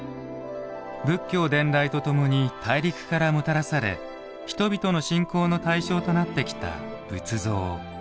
仏教伝来とともに大陸からもたらされ、人々の信仰の対象となってきた仏像。